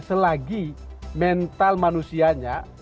selagi mental manusianya